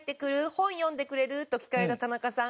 “本読んでくれる？”と聞かれた田中さん」